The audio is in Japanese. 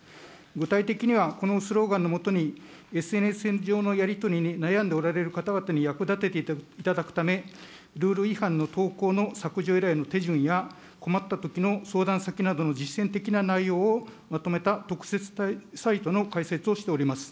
具体的にはこのスローガンのもとに、ＳＮＳ上のやり取りに悩んでおられる方々に役立てていただくため、ルール違反の投稿の削除依頼の手順や、困ったときの相談先などの実践的な内容をまとめた特設サイトの開設をしております。